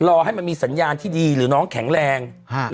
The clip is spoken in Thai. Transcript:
รอให้มันมีสัญญาณที่ดีหรือน้องแข็งแรง